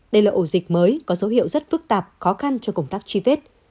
đây là ổ dịch mới có dấu hiệu rất phức tạp khó khăn cho công tác truy vết